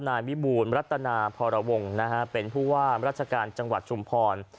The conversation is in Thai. นายวิบูรณ์รัตนาพรวงเป็นผู้ว่ามราชการจังหวัดชุมพร